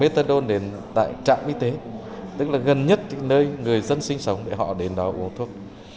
tức là gần nhất nơi người dân sinh sống để họ đến đó uống thuốc